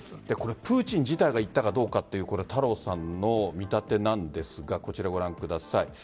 プーチン自体が言ったかどうかという太郎さんの見立てなんですがこちらをご覧ください。